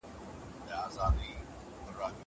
زه هره ورځ لاس پرېولم!!